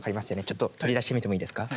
ちょっと取り出してみてもいいですか。